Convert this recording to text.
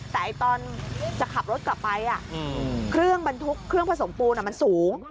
แต่ตอนจะขับรถกลับไปเครื่องบรรทุกเครื่องผสมปูนมันสูง